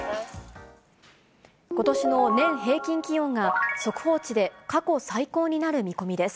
ことしの年平均気温が速報値で過去最高になる見込みです。